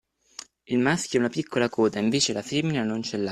Il maschio ha una piccola coda invece la femmina non c’è l’ha.